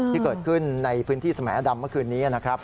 ที่เกิดขึ้นในพื้นที่สมแอดำเมื่อคืนนี้นะครับ